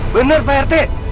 bener pak rt